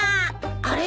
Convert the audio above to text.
あれ？